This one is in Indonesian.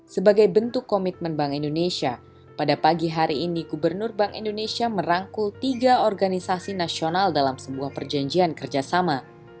sebagai bentuk komitmen bank indonesia pada pagi hari ini gubernur bank indonesia merangkul tiga organisasi nasional dalam sebuah perjanjian kerjasama